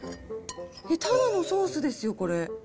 ただのソースですよ、これ。